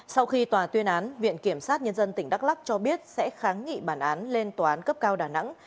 sau khi tòa tuyên án viện kiểm sát nhân dân tỉnh đắk lắc cho biết sẽ kháng nghị bản án lên tòa án cấp cao đà nẵng